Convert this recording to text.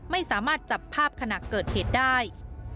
ไม่สามารถจับภาพขณะเกิดเหตุได้